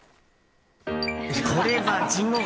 これは地獄！